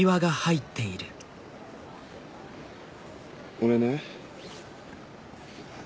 俺ね。